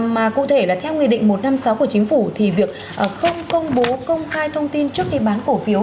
mà cụ thể là theo nghị định một trăm năm mươi sáu của chính phủ thì việc không công bố công khai thông tin trước khi bán cổ phiếu